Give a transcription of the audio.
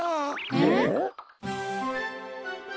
えっ？